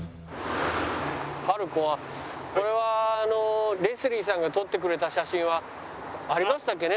ＰＡＲＣＯはこれはあのレスリーさんが撮ってくれた写真はありましたっけね？